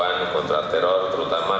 saya ingin komunitas ekstrasi lebih meningkat